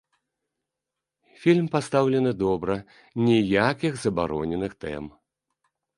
Фільм пастаўлены добра, ніякіх забароненых тэм.